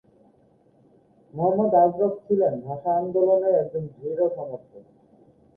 মোহাম্মদ আজরফ ছিলেন ভাষা আন্দোলনের একজন দৃঢ় সমর্থক।